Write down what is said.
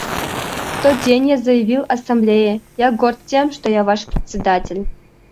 В тот день я заявил Ассамблее: «Я горд тем, что я ваш Председатель».